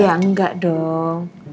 ya enggak dong